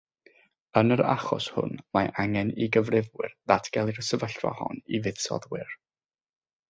Yn yr achos hwn, mae angen i gyfrifwyr ddatgelu'r sefyllfa hon i fuddsoddwyr.